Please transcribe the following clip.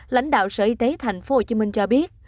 lãnh đạo sở y tế tp hcm cho biết